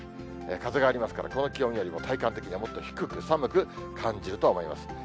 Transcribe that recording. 風がありますから、この気温よりも体感的にはもっと低く、寒く感じると思います。